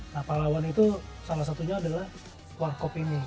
nah pahlawan itu salah satunya adalah warkop ini